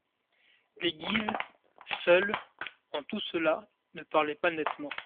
Les Guises, seuls, en tout cela, ne parlaient pas nettement.